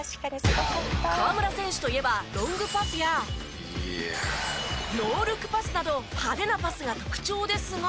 河村選手といえばロングパスやノールックパスなど派手なパスが特徴ですが。